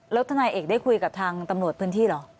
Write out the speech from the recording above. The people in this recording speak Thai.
แล้วทนายเอกได้คุยกับทางตำรวจพื้นที่เหรอ